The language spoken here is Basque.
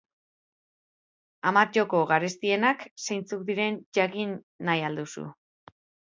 Hamar joko garestienak zeintzuk diren jakin nahi al duzu?